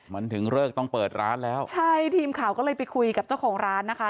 มันถึงเลิกต้องเปิดร้านแล้วใช่ทีมข่าวก็เลยไปคุยกับเจ้าของร้านนะคะ